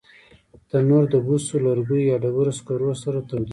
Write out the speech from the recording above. تنور د بوسو، لرګیو یا ډبرو سکرو سره تودېږي